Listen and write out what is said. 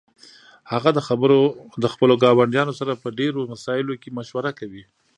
هغه د خپلو ګاونډیانو سره په ډیرو مسائلو کې مشوره کوي